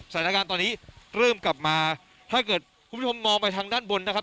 สถานการณ์ตอนนี้เริ่มกลับมาถ้าเกิดคุณผู้ชมมองไปทางด้านบนนะครับ